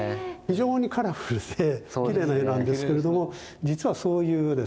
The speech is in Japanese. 非常にカラフルできれいな絵なんですけれども実はそういうですね